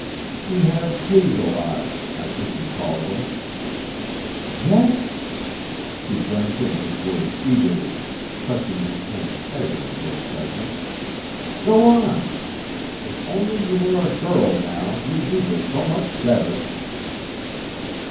"He has hazel eyes I think you'd call them " "Yes?" she drank in his words eagerly, pressing his hand tighter in her excitement. "Go on. If only you were a girl, now, you'd do this so much better."